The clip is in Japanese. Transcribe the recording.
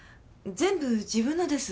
全部自分のです。